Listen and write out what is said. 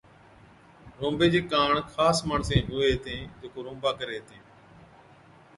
رونبي چي ڪاڻ خاص ماڻسين هُوي هِتين جڪو رونبا ڪرين هِتين۔